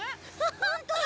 ホントだ。